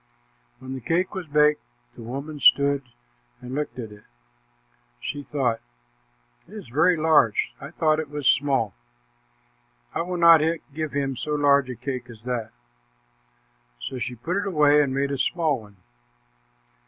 When the cake was baked, the woman stood and looked at it. She thought, "It is very large. I thought it was small. I will not give him so large a cake as that." So she put it away and made a small one.